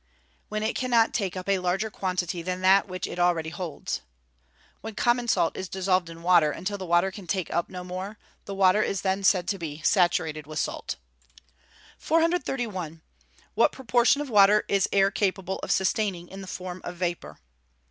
_ When it cannot take up a larger quantity than that which it already holds. When common salt is dissolved in water, until the water can take up no more, the water is then said to be saturated with salt. 431. _What proportion of water is air capable of sustaining in the form of vapour?